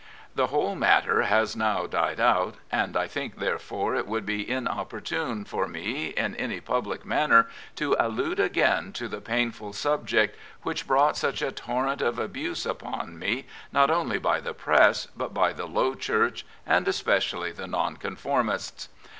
The whole matter has now died out — and I think, therefore, it would be inopportune for me in any public manner to allude again to the painful subject which brought such a torrent of abuse upon me not only by the Press, but by the Low Church, and especially the Nonconformists.